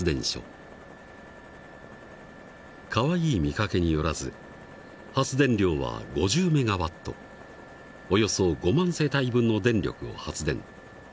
かわいい見かけによらず発電量は５０メガワットおよそ５万世帯分の電力を発電。